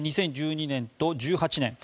２０１２年と２０１８年